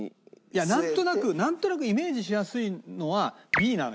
いやなんとなくなんとなくイメージしやすいのはＢなのよ一番。